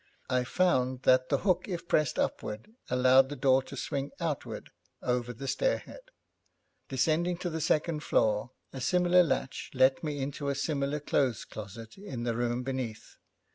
I found that the hook, if pressed upward, allowed the door to swing outward, over the stairhead. Descending to the second floor, a similar latch let me in to a similar clothes closet in the room beneath.